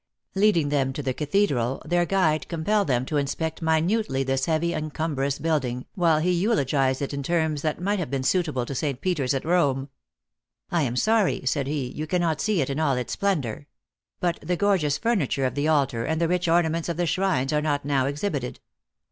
Leading them to the cathedral, their guide compelled them to inspect minutely this heavy and cumberous building, while he eulogized it in terms that might have been suitable to St. Peter s, at Rome. " I am sorry," said he, " you cannot see it in all its splendor; but the gorgeous furniture of the altar and the rich ornaments of the shrines are not now exhibited."